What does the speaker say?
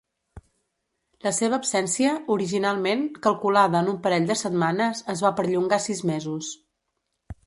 La seva absència, originalment calculada en un parell de setmanes, es va perllongar sis mesos.